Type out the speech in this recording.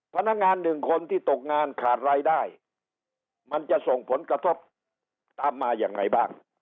พนักงานหนึ่งคนที่ตกงานขาดรายได้มันจะส่งผลกระทบตามมายังไงบ้าง